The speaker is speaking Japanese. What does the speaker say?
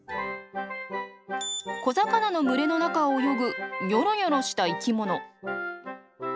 小魚の群れの中を泳ぐニョロニョロした生きもの。